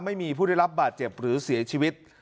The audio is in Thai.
ไม่มีผู้ได้รับบาดเจ็บหรือเสียชีวิต